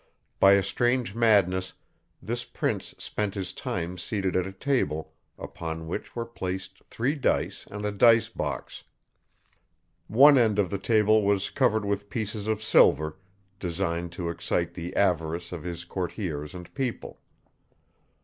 By a strange madness, this prince spent his time seated at a table, upon which were placed three dice and a dice box. One end of the table was covered with pieces of silver, designed to excite the avarice of his courtiers and people.